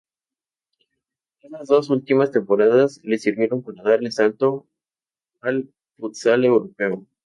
Esas dos últimas temporadas le sirvieron para dar el salto al futsal europeo.